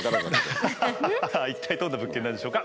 一体どんな物件なんでしょうか。